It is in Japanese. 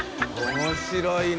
面白いね。